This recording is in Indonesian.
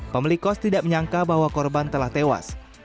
pemilik kos tidak menyangka bahwa korban telah tewas